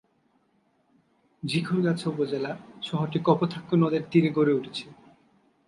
ঝিকরগাছা উপজেলা শহরটি কপোতাক্ষ নদের তীরে গড়ে উঠেছে।